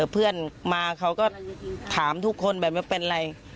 เพื่อนมาเขาก็ถามทุกคนเป็นอะไร